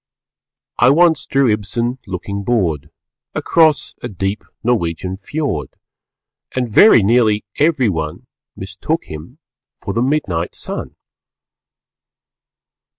I once drew Ibsen, looking bored Across a deep Norwegian Fjord, And very nearly everyone _Mistook him for the Midnight Sun.